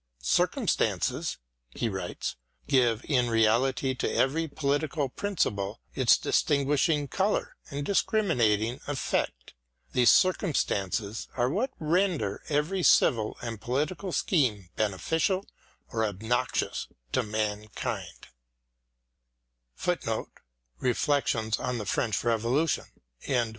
Circumstances [he writes] give in reality to every political principle its distinguishing colour and discriminating effect. The circumstances are what render every civil and political scheme beneficial or obnoxious to mankind.